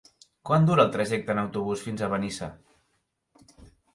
Quant dura el trajecte en autobús fins a Benissa?